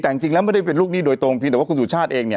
แต่จริงแล้วไม่ได้เป็นลูกหนี้โดยตรงเพียงแต่ว่าคุณสุชาติเองเนี่ย